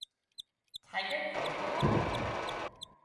Tigerphobia?